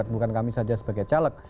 bukan kami saja sebagai caleg